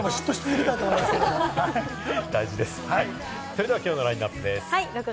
それでは、きょうのラインナップです。